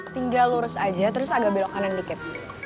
tinggal lurus aja terus agak belok kanan dikit